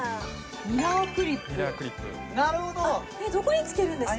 ミラークリップなるほどどこにつけるんですか？